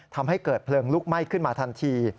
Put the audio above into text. ทำให้เกิดเพลิงลุกไหม้ขึ้นมาทันที